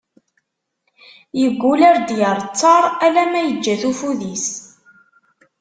Yeggul ar d-yerr ttaṛ, ala ma yeǧǧa-t ufud-is.